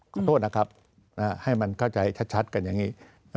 ขอโทษนะครับให้มันเข้าใจชัดกันอย่างนี้